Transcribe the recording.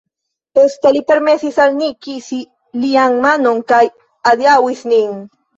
Poste li permesis al ni kisi lian manon kaj adiaŭis nin.